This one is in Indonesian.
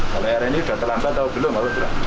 kalau rni udah terlambat tau belum apa belum